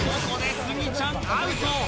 ここでスギちゃんアウト